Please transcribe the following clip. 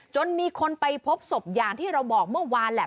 จนมีคนไปพบศพอย่างที่เราบอกเมื่อวานแหละ